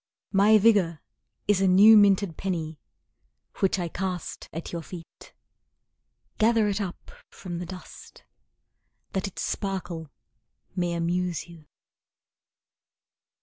My vigour is a new minted penny, Which I cast at your feet. Gather it up from the dust, That its sparkle may amuse you.